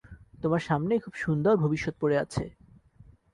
তোমার সামনে খুব সুন্দর ভবিষ্যত পড়ে আছে।